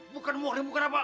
bukan muhlim bukan apa